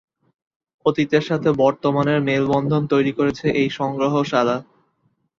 অতীতের সাথে বর্তমানের মেলবন্ধন তৈরি করেছে এই সংগ্রহশালা।